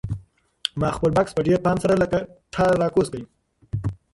ما خپل بکس په ډېر پام سره له کټاره راکوز کړ.